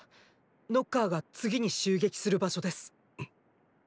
ノッカーが次に襲撃する場所です。